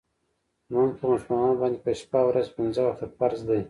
لمونځ په مسلمانانو باندې په شپه او ورځ کې پنځه وخته فرض دی .